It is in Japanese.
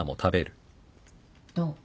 どう？